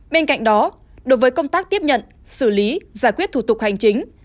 bên cạnh đó đối với công tác tiếp nhận xử lý giải quyết thủ tục hành chính